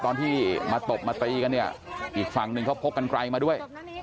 ตอนที่มาตบมาตีกันเนี่ยอีกฝั่งหนึ่งเขาพกกันไกลมาด้วย